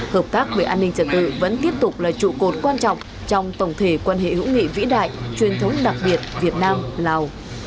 hợp tác về an ninh trật tự vẫn tiếp tục là trụ cột quan trọng trong tổng thể quan hệ hữu nghị vĩ đại truyền thống đặc biệt việt nam lào